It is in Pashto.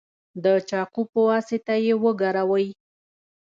د چاقو په واسطه یې وګروئ.